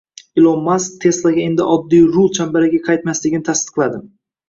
Ilon Mask Tesla’ga endi oddiy rul chambaragi qaytmasligini tasdiqladi